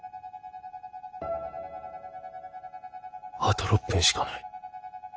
あと６分しかない。